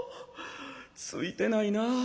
ついてないなあ。